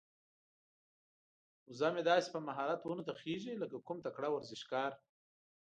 وزه مې داسې په مهارت ونو ته خيږي لکه کوم تکړه ورزشکار.